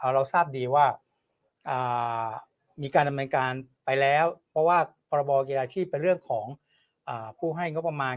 เราทราบดีว่ามีการดำเนินการไปแล้วเพราะว่าพรบกีฬาชีพเป็นเรื่องของผู้ให้งบประมาณ